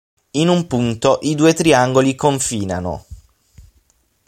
In un punto i due triangoli confinano.